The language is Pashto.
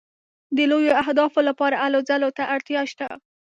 د لویو اهدافو لپاره هلو ځلو ته اړتیا شته.